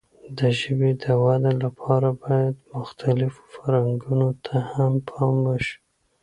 د ژبې د وده لپاره باید مختلفو فرهنګونو ته هم پام وشي.